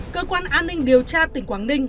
cơ quan an ninh điều tra tỉnh quảng ninh